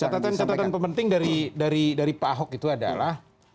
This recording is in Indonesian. catatan catatan pementing dari pak ahok itu adalah